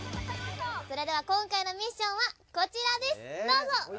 それでは今回のミッションはこちらですどうぞ。